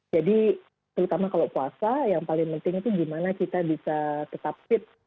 jadi terutama kalau puasa yang paling penting itu gimana kita bisa tetap fit